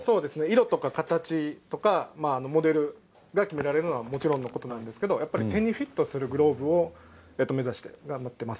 色とか形、モデルが決められるのはもちろんのことなんですが手にフィットするグローブを目指して頑張っています。